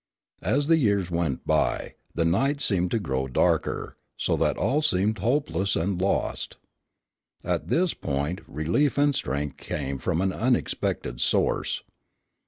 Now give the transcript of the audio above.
As the years went by, the night seemed to grow darker, so that all seemed hopeless and lost. At this point relief and strength came from an unexpected source.